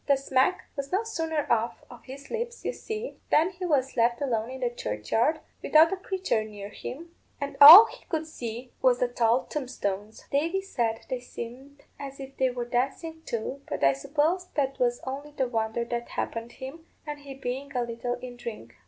The smack was no sooner off of his lips, you see, than he was left alone in the churchyard, without a creature near him, and all he could see was the tall tombstones. Davy said they seemed as if they were dancing too, but I suppose that was only the wonder that happened him, and he being a little in drink.